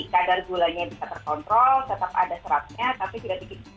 kadar gulanya bisa terkontrol tetap ada seratnya tapi tidak sedikit